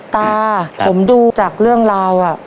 ตาผมดูจากเรื่องราว